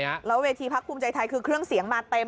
แล้วเวทีพักภูมิใจไทยคือเครื่องเสียงมาเต็ม